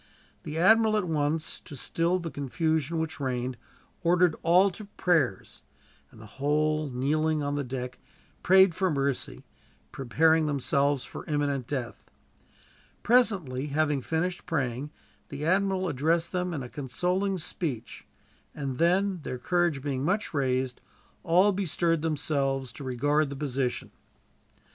The admiral at once, to still the confusion which reigned, ordered all to prayers; and the whole, kneeling on the deck, prayed for mercy, preparing themselves for imminent death. Presently, having finished praying, the admiral addressed them in a consoling speech; and then, their courage being much raised, all bestirred themselves to regard the position.